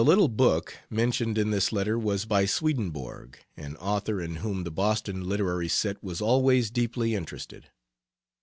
C. The "little book" mentioned in this letter was by Swedenborg, an author in whom the Boston literary set was always deeply interested.